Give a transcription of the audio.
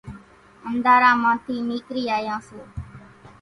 انڌارا مان ٿي نيڪري آيان سو